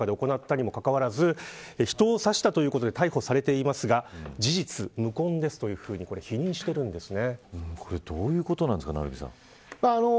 これだけ人が見てる中で行ったにもかかわらず人を刺したということで逮捕されていますが事実無根ですと否認しているんですね。